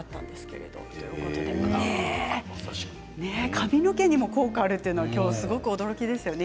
髪の毛にも効果があるというのは今日、すごく驚きですよね。